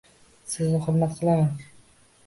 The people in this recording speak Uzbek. Sizni hurmat qilaman.